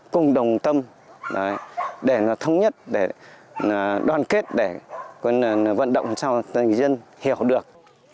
cùng đồng tâm để nó thống nhất đoàn kết vận động cho dân hiểu được